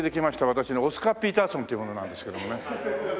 私オスカー・ピーターソンっていう者なんですけどもね。